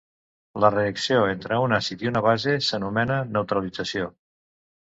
La reacció entre un àcid i una base s'anomena neutralització.